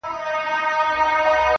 بيا دې د سندرو و جمال ته گډ يم